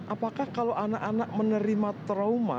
apakah kalau anak anak menerima trauma